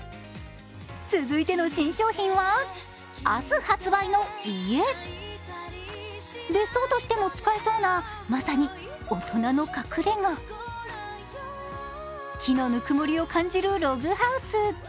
続いての新商品は、明日発売の家、別荘としても使えそうな木のぬくもりを感じるログハウス。